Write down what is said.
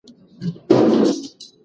دوی د پردیو غلامي نه منله.